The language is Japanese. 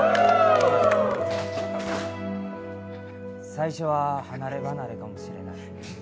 最初は離ればなれかもしれない。